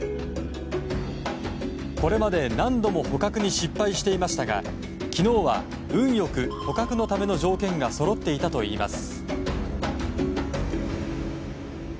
これまで何度も捕獲に失敗していましたが昨日は運良く捕獲のための条件がそろっていたといいます。